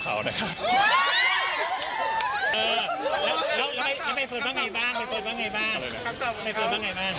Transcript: แล้วอันท่านใบเฟิร์นว่าอย่างไรบ้าง